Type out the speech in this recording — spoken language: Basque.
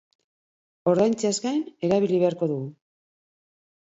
Ordaintzeaz gain erabili beharko dugu.